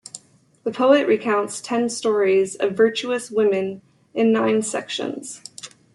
The poet recounts ten stories of virtuous women in nine sections.